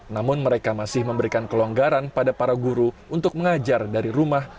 namun mereka masih memberikan kelonggaran pada para guru untuk mengajar dari rumah